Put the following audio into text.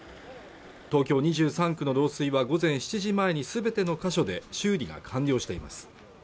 東京２３区の漏水は午前７時前にすべての箇所で修理が完了しています